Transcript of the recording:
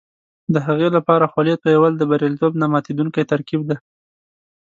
د هغې لپاره خولې تویول د بریالیتوب نه ماتېدونکی ترکیب دی.